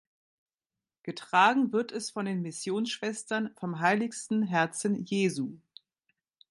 Getragen wird es von den Missionsschwestern vom Heiligsten Herzen Jesu.